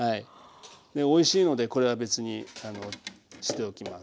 おいしのでこれは別にしておきます。